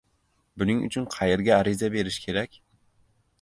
Buning uchun qayerga ariza berish kerak?